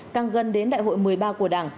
càng gần đến đại hội một mươi ba của đảng